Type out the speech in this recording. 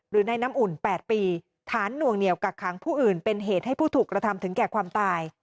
หรือในน้ำอุ่น๘ปีฐานหน่วงเหนียวกักขังผู้อื่นเป็นเหตุให้ผู้ถูกกระทำถึงแก่ความตาย